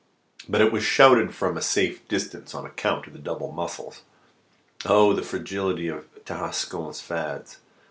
But it was shouted out from a safe distance, on account of the double muscles. Oh, the fragility of Tarascon's fads!